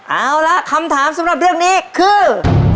เอาละคำถามสำหรับเรื่องนี้คือ